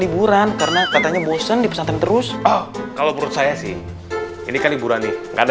liburan karena katanya bosan dipesan terus kalau menurut saya sih ini kali burani ada